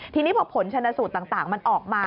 ทีนี้พอผลชนสูตรต่างมันออกมา